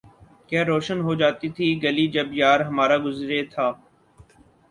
کیا روشن ہو جاتی تھی گلی جب یار ہمارا گزرے تھا